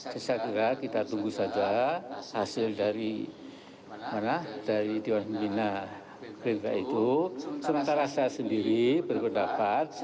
saya kira kita tunggu saja hasil dari mana dari diwakili nah itu semangat rasa sendiri berpendapat